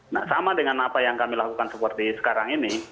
nah sama dengan apa yang kami lakukan seperti sekarang ini